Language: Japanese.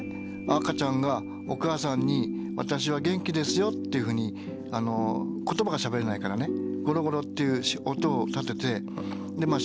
赤ちゃんがお母さんに「私は元気ですよ」っていうふうに言葉がしゃべれないからねゴロゴロっていう音を立ててまあ